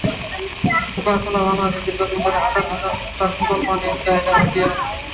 Coca-Cola বাংলাদেশেও দীর্ঘদিন ধরে হাজার হাজার ভোক্তার কোমল পানীয়ের চাহিদা মিটিয়ে আসছে।